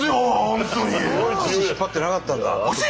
足引っ張ってなかった！